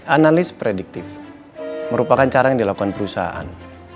analis prediktif merupakan cara yang dilakukan perusahaan